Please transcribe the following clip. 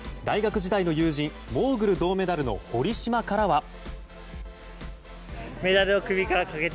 大学時代の友人モーグル銅メダルの堀島からは。